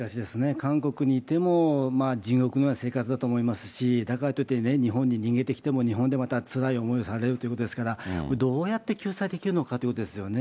韓国にいても地獄のような生活だと思いますし、だからといって、日本に逃げてきても、日本でまたつらい思いをされるということですから、どうやって救済できるのかということですよね。